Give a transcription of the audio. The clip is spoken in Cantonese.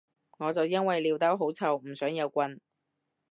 我就因為尿兜好臭唔想有棍